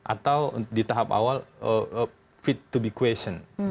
atau di tahap awal fit untuk di pertanyaan